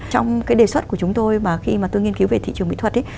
trong cái đề xuất của chúng tôi mà khi mà tôi nghiên cứu về thị trường mỹ thuật ấy